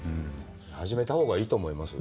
始めた方がいいと思いますよ。